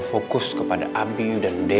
dan fokus kepada abiu dan dewi